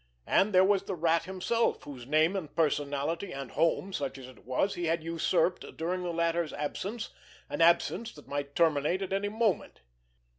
And there was the Rat himself whose name and personality and home, such as it was, he had usurped during the latter's absence, an absence that might terminate at any moment.